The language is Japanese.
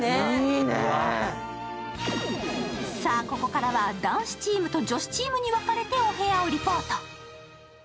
ここからは男子チームと女子チームに分かれてお部屋をリポート。